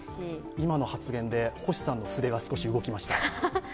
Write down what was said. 今の発言で、星さんの筆が少し動きました。